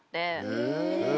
へえ。